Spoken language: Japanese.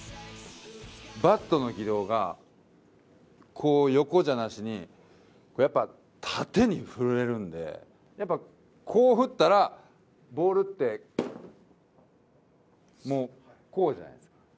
バットの軌道がこう横じゃなしにやっぱ縦に振れるんでこう振ったらボールって、もうこうじゃないですか。